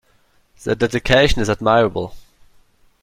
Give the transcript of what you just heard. Their dedication is admirable.